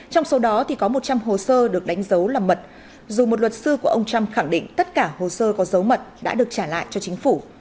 trong số đó có một trăm linh hồ sơ được đánh dấu là mật dù một luật sư của ông trump khẳng định tất cả hồ sơ có dấu mật đã được trả lại cho chính phủ